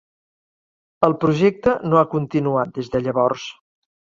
El projecte no ha continuat des de llavors.